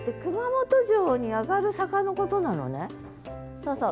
そうそう。